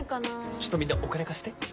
ちょっとみんなお金貸して。